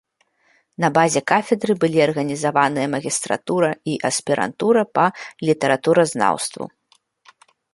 На базе кафедры былі арганізаваныя магістратура і аспірантура па літаратуразнаўству.